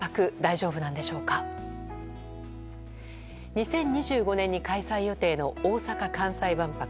２０２５年に開催予定の大阪・関西万博。